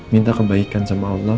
minta kebaikan sama allah